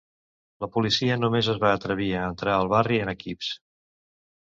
La policia només es va atrevir a entrar al barri en equips.